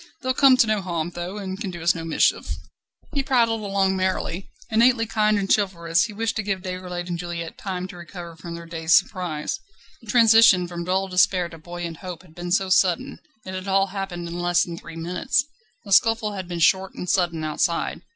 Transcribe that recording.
They'll come to no harm, though, and can do us no mischief." He prattled along merrily. Innately kind and chivalrous, he wished to give Déroulède and Juliette time to recover from their dazed surprise. The transition from dull despair to buoyant hope had been so sudden: it had all happened in less than three minutes. The scuffle had been short and sudden outside.